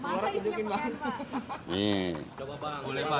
masa isinya pakaian pak